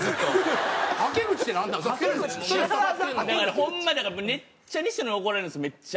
ホンマにだからめっちゃ西野に怒られるんですめっちゃ。